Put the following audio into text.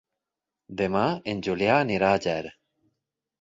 Demà en Julià irà a Ger.